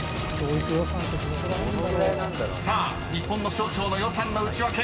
［さあ日本の省庁の予算のウチワケ